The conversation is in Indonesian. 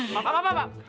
pak pak pak pak